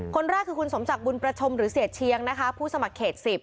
คนแรกคือคุณสมศักดิบุญประชมหรือเสียเชียงนะคะผู้สมัครเขต๑๐